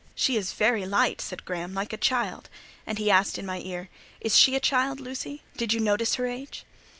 "She is very light," said Graham, "like a child!" and he asked in my ear, "Is she a child, Lucy? Did you notice her age?"